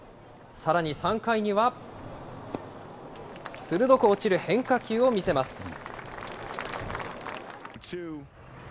さらに３回には、鋭く落ちる変化球を見せます。